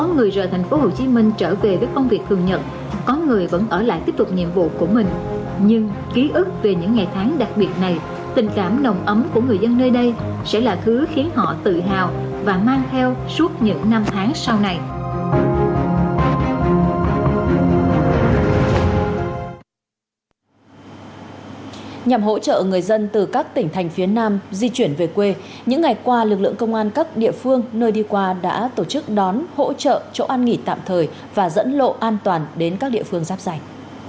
nhằm hỗ trợ người dân từ các tỉnh thành phía nam di chuyển về quê những ngày qua lực lượng công an các địa phương nơi đi qua đã tổ chức đón hỗ trợ chỗ ăn nghỉ tạm thời và dẫn lộ an toàn đến các địa phương giáp dành